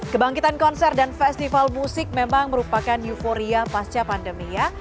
kebangkitan konser dan festival musik memang merupakan euforia pasca pandemi ya